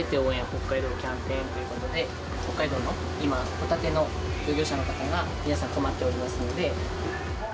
北海道キャンペーンということで、北海道の今、ホタテの業者の方が皆さん困っておりますので。